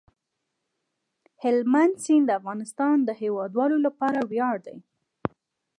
هلمند سیند د افغانستان د هیوادوالو لپاره ویاړ دی.